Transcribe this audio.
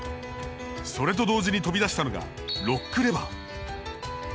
それと同時に飛び出したのがロックレバー。